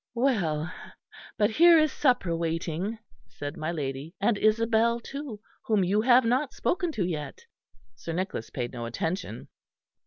"Well, but here is supper waiting," said my lady, "and Isabel, too, whom you have not spoken to yet." Sir Nicholas paid no attention.